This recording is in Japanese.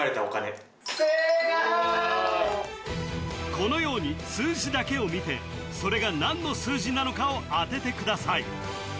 このように数字だけを見てそれが何の数字なのかを当ててください